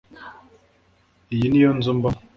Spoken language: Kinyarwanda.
Iyi niyo nzu mbamo